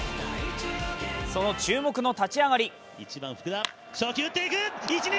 その注目の立ち上がり。